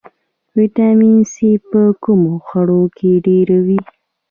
ویټامین سي په کومو خوړو کې ډیر وي